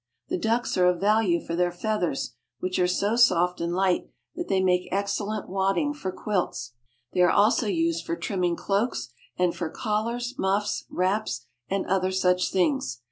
The ducks are of value for their feathers, which are so soft and light that they make excellent wad ding for quilts. They are also used for trimming cloaks and for collars, muffs, wraps, and other such things.